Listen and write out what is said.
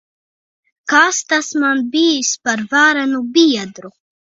Kas tas man bijis par varenu biedru!